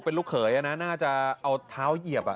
เป็นลูกเขยน่าจะเอาเท้าเหยียบ